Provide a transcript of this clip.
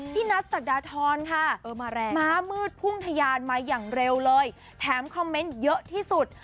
ที่นัดสัตดาทรค์มามืดพุ่งทะยานมาอย่างเร็วและคอมเมนต์เยอะที่สุด